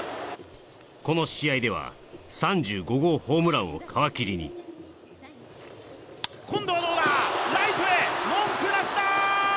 この試合では３５号ホームランを皮切りに今度はどうだライトへ文句なしだ！